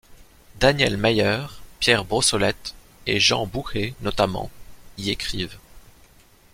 Daniel Mayer, Pierre Brossolette et Jean Bouhey, notamment, y écrivent.